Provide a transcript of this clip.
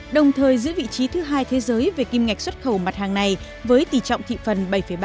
đồng thời giữ vị trí thứ hai thế giới về kim ngạch xuất khẩu mặt hàng này với tỷ trọng thị phần bảy ba